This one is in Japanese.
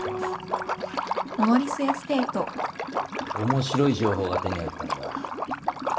面白い情報が手に入ったんだ。